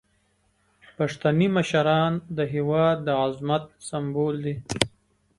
پښتني مشران د هیواد د عظمت سمبول دي.